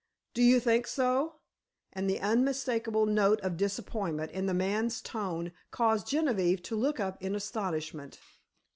"Do you think so?" and the unmistakable note of disappointment in the man's tone caused Genevieve to look up in astonishment.